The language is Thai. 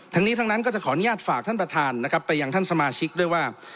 ทั้งนี้ทั้งนั้นก็จะขออนุญาตฝากท่านประธานนะครับไปยังท่านสมาชิกด้วยว่า